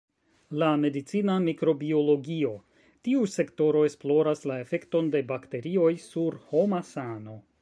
La medicina mikrobiologio: Tiu sektoro esploras la efekton de bakterioj sur homa sano.